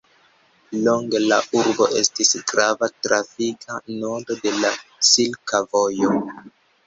Longe la urbo estis grava trafika nodo de la Silka Vojo.